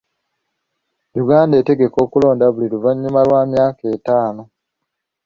Uganda etegeka okulonda buli luvannyuma lwa myaka etaano.